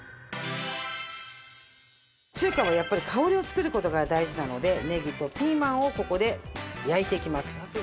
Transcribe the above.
中華はやっぱり香りを作る事が大事なのでネギとピーマンをここで焼いていきます。